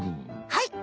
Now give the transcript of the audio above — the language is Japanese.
はい！